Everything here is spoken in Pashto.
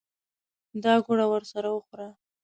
دا ګوړه ورسره خوره.